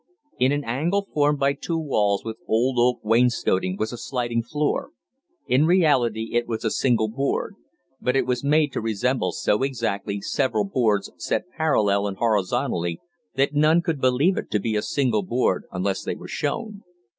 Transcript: In an angle formed by two walls with old oak wainscoting was a sliding floor in reality it was a single board, but it was made to resemble so exactly several boards set parallel and horizontally that none could believe it to be a single board unless they were shown.